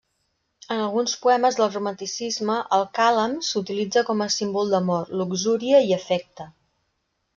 En alguns poemes del Romanticisme, el càlam s'utilitza com a símbol d'amor, luxúria i afecte.